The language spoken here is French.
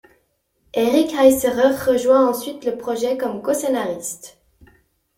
Eric Heisserer rejoint ensuite le projet comme coscénariste.